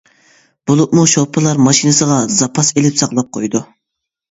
بولۇپمۇ شوپۇرلار ماشىنىسىغا زاپاس ئېلىپ ساقلاپ قويىدۇ.